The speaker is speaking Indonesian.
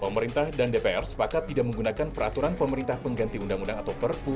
pemerintah dan dpr sepakat tidak menggunakan peraturan pemerintah pengganti undang undang atau perpu